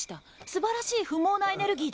素晴らしい不毛なエネルギーです。